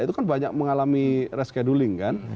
itu kan banyak mengalami rescheduling kan